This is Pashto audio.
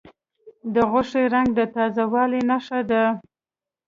د غوښې رنګ د تازه والي نښه ده.